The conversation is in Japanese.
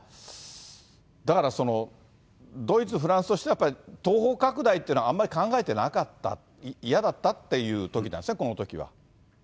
だからドイツ、フランスとしては、やっぱり東方拡大というのは、あんまり考えてなかった、嫌だったというときなんですね、このときは。